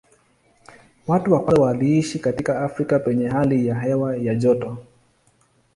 Watu wa kwanza waliishi katika Afrika penye hali ya hewa ya joto.